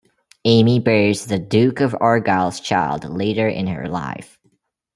Amy bears the Duke of Argyle's child later in her life.